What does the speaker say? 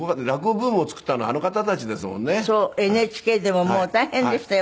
ＮＨＫでももう大変でしたよ